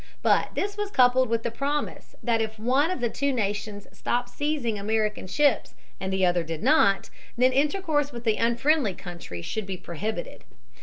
But this was coupled with the promise that if one of the two nations stopped seizing American ships and the other did not, then intercourse with the unfriendly country should be prohibited.